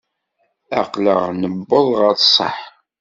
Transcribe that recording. Aql-aɣ newweḍ ɣer ṣṣeḥ.